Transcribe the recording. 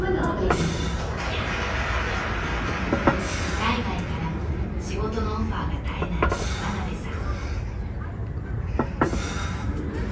海外からも仕事のオファーが絶えない真鍋さん。